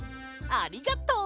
ありがとう！